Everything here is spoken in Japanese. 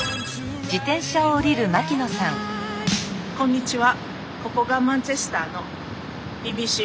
こんにちは。